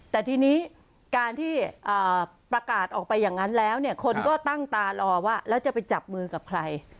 แต่ทีนี้การที่ประกาศออกไปอย่างนั้นแล้วเนี่ยคนก็ตั้งตารอว่าแล้วจะไปจับมือกับใคร